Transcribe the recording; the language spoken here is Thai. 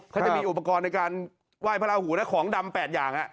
เขาจะมีอุปกรณ์ในการไหว้พระราหูนะของดำ๘อย่าง